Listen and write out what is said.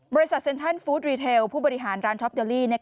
เซ็นทรัลฟู้ดรีเทลผู้บริหารร้านช็อปเดลลี่